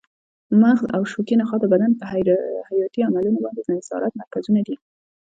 مغز او شوکي نخاع د بدن پر حیاتي عملونو باندې د نظارت مرکزونه دي.